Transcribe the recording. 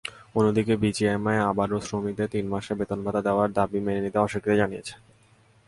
অন্যদিকে বিজিএমইএ আবারও শ্রমিকদের তিন মাসের বেতন-ভাতা দেওয়ার দাবি মেনে নিতে অস্বীকৃতি জানিয়েছে।